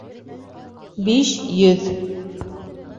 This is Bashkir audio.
Биш йөҙ!